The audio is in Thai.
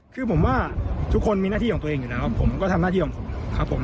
คือผมว่าทุกคนมีหน้าที่ของตัวเองอยู่แล้วผมก็ทำหน้าที่ของผมครับผม